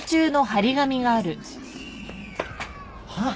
はっ！？